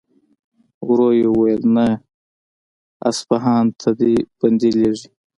ورو يې وويل: نه! اصفهان ته دې بندې لېږي.